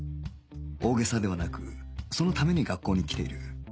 大げさではなくそのために学校に来ている